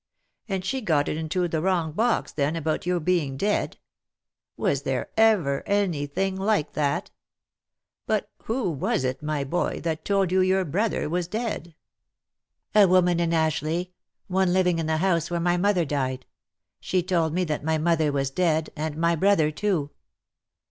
And she got into the wrong box, then, about your being dead? Was there ever any thing like that? But who was it, my boy, that told you as your brother was dead ?"" A woman in Ashleigh — one living in the house where my mother died. She told me that my mother was dead, and my brother too."